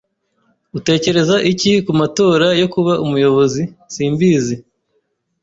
"Utekereza iki ku matora yo kuba umuyobozi?" "Simbizi."